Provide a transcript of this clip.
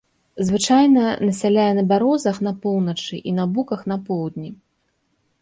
Звычайна насяляе на бярозах на поўначы і на буках на поўдні.